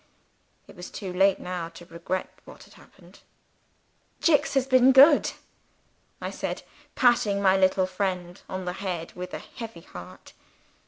It was too late now to regret what had happened. "Jicks has been good," I said, patting my little friend on the head with a heavy heart.